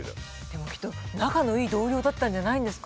でもきっと仲のいい同僚だったんじゃないんですか。